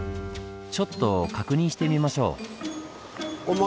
ちょっと確認してみましょう。